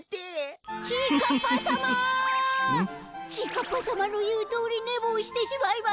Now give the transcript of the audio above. ちぃかっぱさまのいうとおりねぼうしてしまいましたごめんなさい。